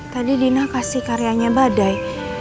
tadi dina kasih karyanya badai